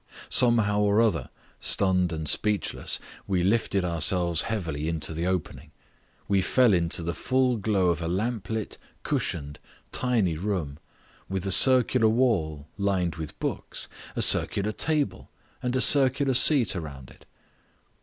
Somehow or other, stunned and speechless, we lifted ourselves heavily into the opening. We fell into the full glow of a lamp lit, cushioned, tiny room, with a circular wall lined with books, a circular table, and a circular seat around it.